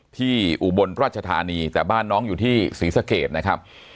อุบลราชธานีแต่บ้านน้องอยู่ที่ศรีสะเกดนะครับ